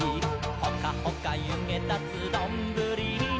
「ほかほかゆげたつどんぶりに」